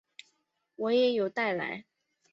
我也有带来